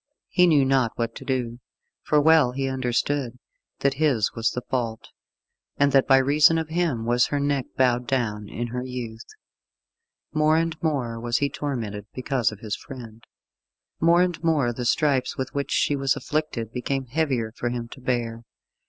He knew not what to do, for well he understood that his was the fault, and that by reason of him was her neck bowed down in her youth. More and more was he tormented because of his friend. More and more the stripes with which she was afflicted became heavier for him to bear.